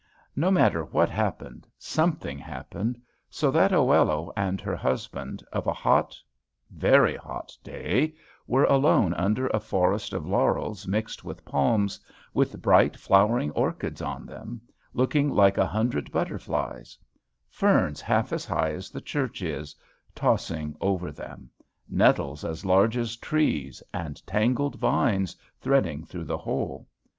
No matter what happened, something happened, so that Oello and her husband, of a hot, very hot day, were alone under a forest of laurels mixed with palms, with bright flowering orchids on them, looking like a hundred butterflies; ferns, half as high as the church is, tossing over them; nettles as large as trees, and tangled vines, threading through the whole.